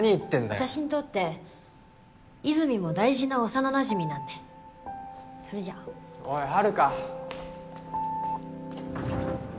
私にとって和泉も大事な幼なじみなんでそれじゃあおい遥